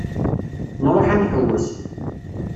Nruḥ ad nḥewwes.